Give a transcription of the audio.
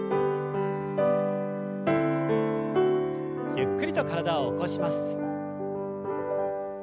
ゆっくりと体を起こします。